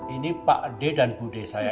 ini pak d dan bu d saya